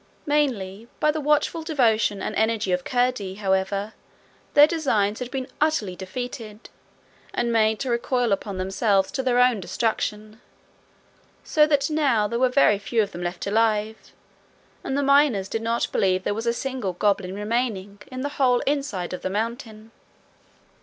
Mainly by the watchful devotion and energy of Curdie, however, their designs had been utterly defeated, and made to recoil upon themselves to their own destruction, so that now there were very few of them left alive, and the miners did not believe there was a single goblin remaining in the whole inside of the mountain.